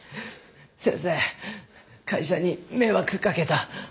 先生会社に迷惑かけた。